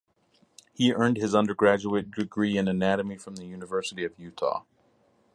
He earned his undergraduate degree in anatomy from the University of Utah.